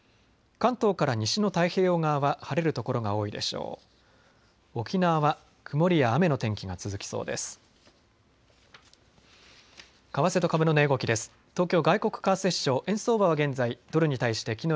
関東から西の太平洋側は晴れる所が多いでしょう。